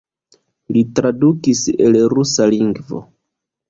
Li tradukis el rusa lingvo.